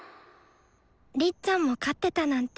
りっちゃんも飼ってたなんて。